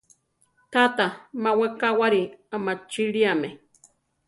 Tata má wekáwari amachiliame.